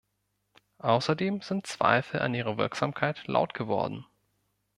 Außerdem sind Zweifel an ihrer Wirksamkeit laut geworden.